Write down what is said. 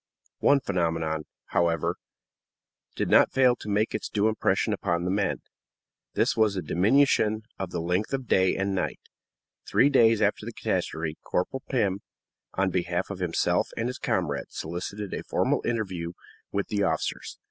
One phenomenon, however, did not fail to make its due impression upon the men; this was the diminution in the length of day and night. Three days after the catastrophe, Corporal Pim, on behalf of himself and his comrades, solicited a formal interview with the officers.